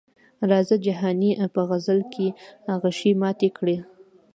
راځه جهاني په غزل کې غشي مات کړه.